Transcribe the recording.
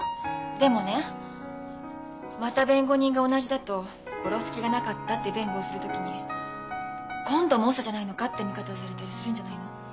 でもねまた弁護人が同じだと「殺す気がなかった」って弁護をする時に「今度もウソじゃないのか」って見方をされたりするんじゃないの？